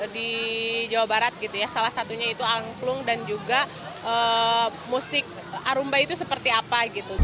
di jawa barat salah satunya itu angklung dan juga musik arumba itu seperti apa